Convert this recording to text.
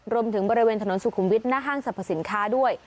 รวมถึงบริเวณถนนสุขุมวิทย์หน้าห้างสรรพสินค้าด้วย